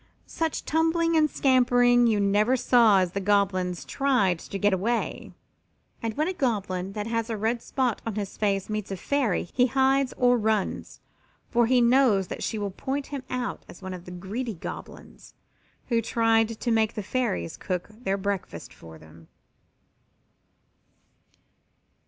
Such tumbling and scampering you never saw as the Goblins tried to get away, and when a Goblin that had a red spot on his face meets a Fairy he hides or runs, for he knows that she will point him out as one of the greedy Goblins who tried to make the Fairies cook their breakfast for them.